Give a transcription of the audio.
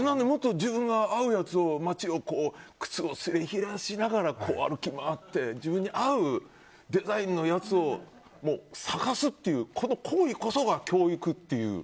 自分が合うやつを靴をすり減らしながら歩き回って自分に合うデザインのやつを探すっていうこの行為こそが教育っていう。